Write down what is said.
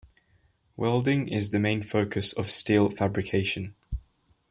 Welding is the main focus of steel fabrication.